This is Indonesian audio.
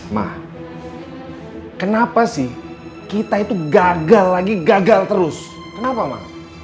ma kenapa sih kita itu gagal lagi gagal terus kenapa ma